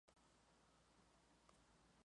Es hijo de padre argentino y madre salvadoreña.